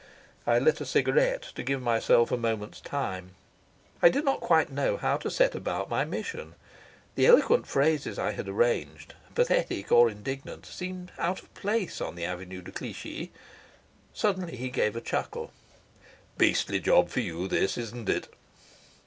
I lit a cigarette to give myself a moment's time. I did not quite know now how to set about my mission. The eloquent phrases I had arranged, pathetic or indignant, seemed out of place on the Avenue de Clichy. Suddenly he gave a chuckle. "Beastly job for you this, isn't it?"